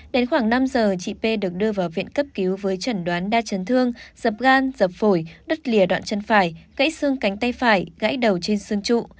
đến khoảng năm giờ chị p được đưa vào viện cấp cứu với trần đoán đa chấn thương dập gan dập phổi đứt lìa đoạn chân phải gãy xương cánh tay phải gãy đầu trên xương trụ